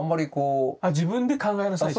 あ「自分で考えなさい」と。